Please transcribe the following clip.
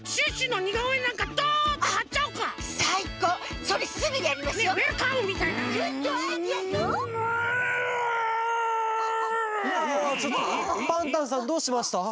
ちょっとパンタンさんどうしました？